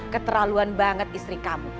keterlaluan banget istri kamu